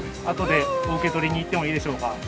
あとでお受け取りに行ってもいいでしょうか？